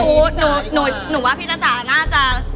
หนูหนูว่าพี่จ้าจ๋าน่าจะ